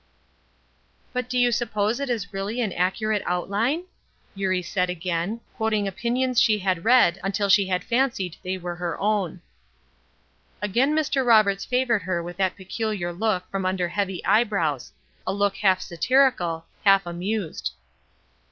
"But do you suppose it is really an accurate outline?" Eurie said, again, quoting opinions that she had read until she fancied they were her own. Again Mr. Roberts favored her with that peculiar look from under heavy eyebrows a look half satirical, half amused.